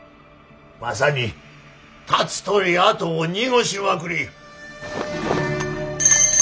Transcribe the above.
まさに「立つ鳥跡を濁しまくり」。